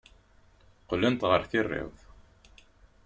Qqlent ɣer tirawt.